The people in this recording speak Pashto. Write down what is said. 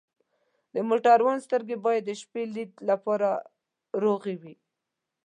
د موټروان سترګې باید د شپې لید لپاره روغې وي.